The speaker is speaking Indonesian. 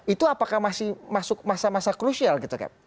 itu apakah masih masuk masa masa krusial gitu cap